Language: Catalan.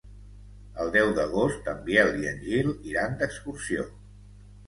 El deu d'agost en Biel i en Gil iran d'excursió.